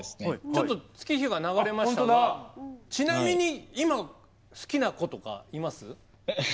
ちょっと月日が流れましたがちなみに今好きな子とかいます？